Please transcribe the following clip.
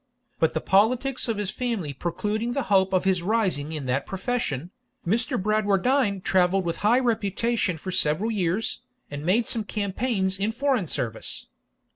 But the politics of his family precluding the hope of his rising in that profession, Mr. Bradwardine travelled with high reputation for several years, and made some campaigns in foreign service.